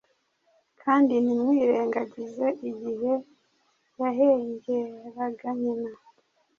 Kandi ntimwirengagize igihe yahengeraga nyina